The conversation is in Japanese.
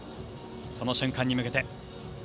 その瞬間に向けて。